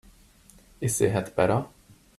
Is the head better?